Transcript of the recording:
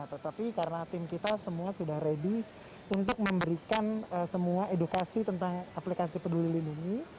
tetapi karena tim kita semua sudah ready untuk memberikan semua edukasi tentang aplikasi peduli lindungi